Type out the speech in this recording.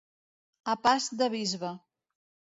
A pas de bisbe.